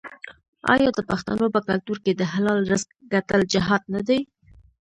آیا د پښتنو په کلتور کې د حلال رزق ګټل جهاد نه دی؟